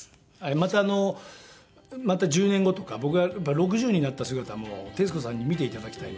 またあのまた１０年後とか僕が６０になった姿も徹子さんに見ていただきたいので。